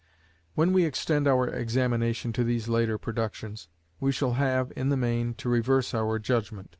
When we extend our examination to these later productions, we shall have, in the main, to reverse our judgment.